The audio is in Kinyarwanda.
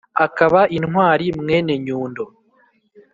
Akaba intwari Mwene Nyundo